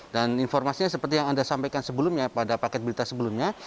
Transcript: dan informasinya seperti yang anda sampaikan sebelumnya pada paket berita sebelumnya